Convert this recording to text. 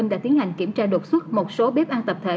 đã tiến hành kiểm tra đột xuất một số bếp ăn tập thể